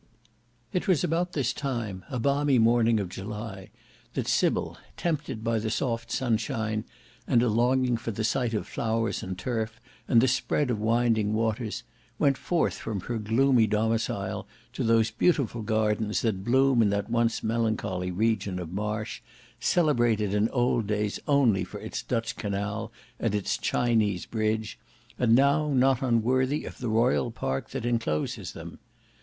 It was about this time, a balmy morning of July, that Sybil, tempted by the soft sunshine, and a longing for the sight of flowers and turf and the spread of winding waters, went forth from her gloomy domicile to those beautiful gardens that bloom in that once melancholy region of marsh, celebrated in old days only for its Dutch canal and its Chinese bridge, and now not unworthy of the royal park that incloses them..